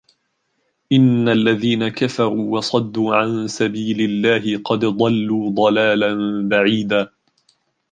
إن الذين كفروا وصدوا عن سبيل الله قد ضلوا ضلالا بعيدا